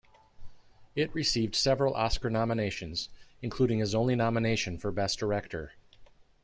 It received several Oscar nominations, including his only nomination for Best Director.